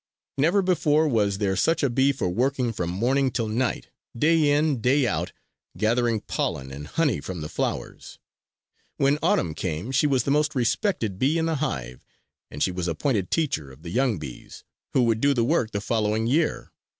Never before was there such a bee for working from morning till night, day in, day out, gathering pollen and honey from the flowers. When Autumn came she was the most respected bee in the hive and she was appointed teacher of the young bees who would do the work the following year.